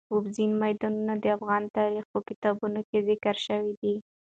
اوبزین معدنونه د افغان تاریخ په کتابونو کې ذکر شوی دي.